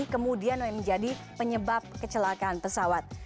karena menjadi penyebab kecelakaan pesawat